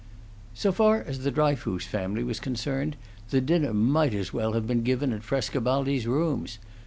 So far as the Dryfoos family was concerned, the dinner might as well have been given at Frescobaldi's rooms.